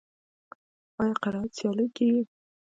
آیا قرائت سیالۍ کیږي؟